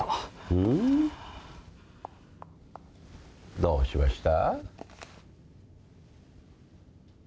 うん？どうしました？